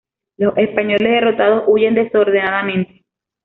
Los españoles, derrotados, huyen desordenadamente.